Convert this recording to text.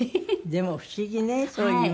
でも不思議ね